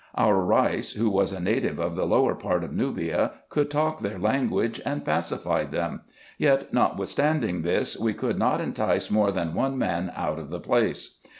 Our Eeis, who was a native of the lower part of Nubia, could talk their language, and pacified them : yet, notwithstanding this, we could not entice more than one man out of the place.